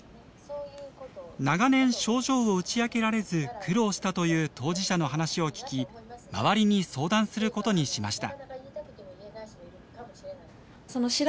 長年症状を打ち明けられず苦労したという当事者の話を聞き周りに相談することにしました。